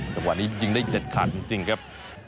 จังหวะนี้ยิงได้เด็ดขาดจริงครับ